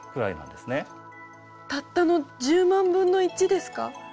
たったの１０万分の１ですか。